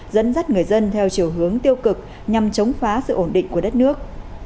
dẫn dắt người dân theo chiều hướng tiêu cực nhằm chống phá sự ổn định của đất nước